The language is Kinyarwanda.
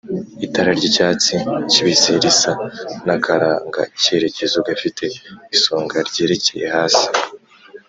itara ry'icyatsi kibisi risa n'akarangacyerekezo gafite isonga ryerekeye hasi